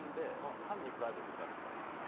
単にプライベートでかけてたんですよ。